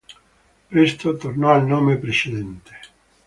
Presto tornò al nome precedente.